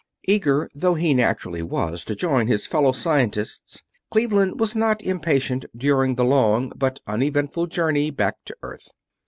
Eager though he naturally was to join his fellow scientists, Cleveland was not impatient during the long, but uneventful journey back to Earth.